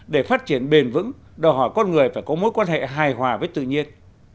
để phát triển bền vững đòi hỏi con người phải có mối quan hệ hài hòa với tự nhiên